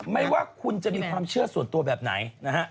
ไม่ว่าคุณจะมีความเชื่อส่วนตัวแบบไหนนะฮะ